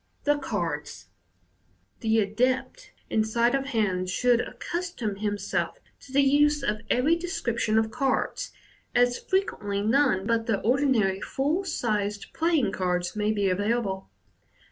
The Cards. — The adept in sleight of hand should accustom him self to the use of every description of cards, as frequently none but the ordinary full sized playing cards may be available.